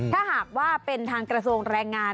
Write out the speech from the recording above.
ถ้าหากว่าเป็นทางกระทรวงแรงงาน